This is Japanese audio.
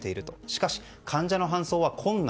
しかし、患者の搬送は困難。